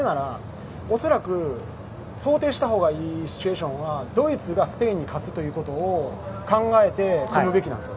恐らく想定したほうがいいシチュエーションがドイツがスペインに勝つということを考えておくべきなんです。